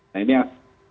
nah ini yang